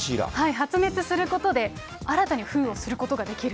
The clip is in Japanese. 発熱することで、新たに封をすることができる。